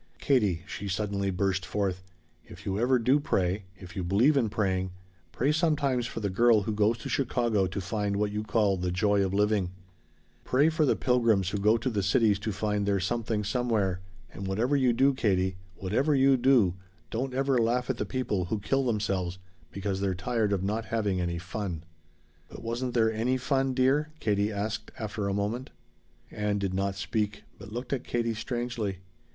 "Katie," she suddenly burst forth, "if you ever do pray if you believe in praying pray sometimes for the girl who goes to Chicago to find what you call the 'joy of living.' Pray for the pilgrims who go to the cities to find their Something Somewhere. And whatever you do, Katie whatever you do don't ever laugh at the people who kill themselves because they're tired of not having any fun!" "But wasn't there any fun, dear?" Katie asked after a moment. Ann did not speak, but looked at Katie strangely.